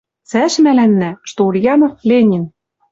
Цӓш мӓлӓннӓ, что Ульянов-Ленин